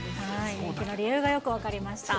人気の理由がよく分かりました。